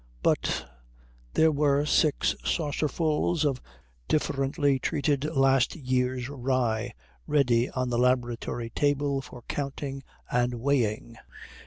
But there were six saucerfuls of differently treated last year's rye ready on the laboratory table for counting and weighing.